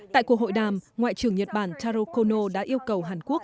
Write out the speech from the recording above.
tại cuộc hội đàm ngoại trưởng nhật bản taro kono đã yêu cầu hàn quốc